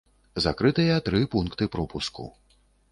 Закрытыя тры пункты пропуску.